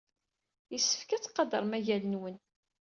Yessefk ad tqadrem agal-nwen.